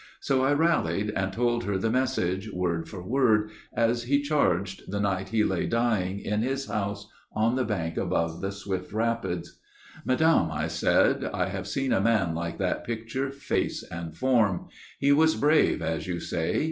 So I rallied and told her the message, Word for word, as he charged, the night he lay dying In his house on the bank above the swift rapids. "Madame," I said, "I have seen man like that picture, Face and form. He was brave as you say.